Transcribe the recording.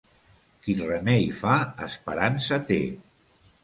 Qui remei fa, esperança té.